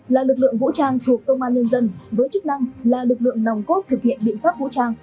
là lực lượng vũ trang thuộc công an nhân dân với chức năng là lực lượng nòng cốt thực hiện biện pháp vũ trang